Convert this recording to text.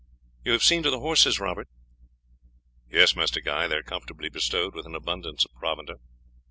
"You have seen to the horses, Robert?" "Yes, Master Guy, they are comfortably bestowed, with an abundance of provender."